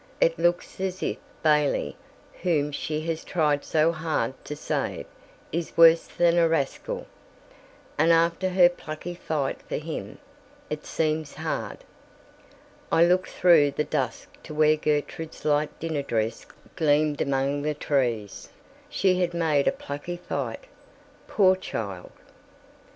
It looks as if Bailey, whom she has tried so hard to save, is worse than a rascal; and after her plucky fight for him, it seems hard." I looked through the dusk to where Gertrude's light dinner dress gleamed among the trees. She HAD made a plucky fight, poor child.